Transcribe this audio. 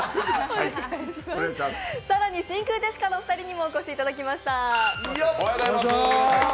更に真空ジェシカのお二人にもお越しいただきました。